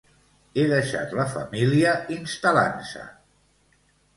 He deixat la família instal·lant-se.